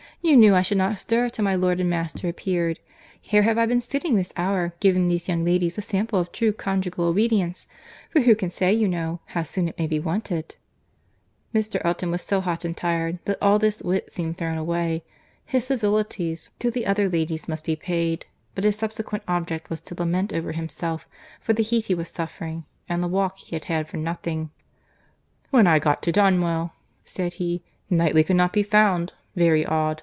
You knew I should not stir till my lord and master appeared.—Here have I been sitting this hour, giving these young ladies a sample of true conjugal obedience—for who can say, you know, how soon it may be wanted?" Mr. Elton was so hot and tired, that all this wit seemed thrown away. His civilities to the other ladies must be paid; but his subsequent object was to lament over himself for the heat he was suffering, and the walk he had had for nothing. "When I got to Donwell," said he, "Knightley could not be found. Very odd!